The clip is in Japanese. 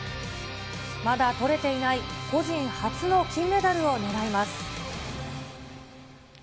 まだとれていない個人初の金メダルをねらいます。